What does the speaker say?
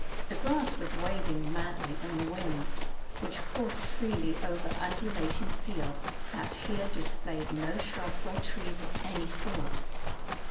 The grass was waving madly in the wind, which coursed freely over undulating fields that here displayed no shrubs or trees of any sort.